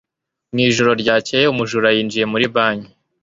Mu ijoro ryakeye, umujura yinjiye muri banki.